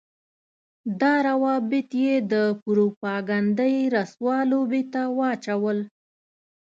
دا روابط يې د پروپاګنډۍ رسوا لوبې ته واچول.